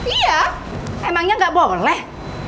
iya emangnya gak boleh